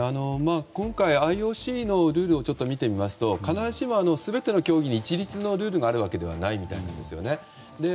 今回、ＩＯＣのルールを見てみますと必ずしも全ての競技に一律のルールがあるわけではないみたいなんですよね。